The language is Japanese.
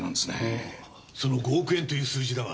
その５億円という数字だが。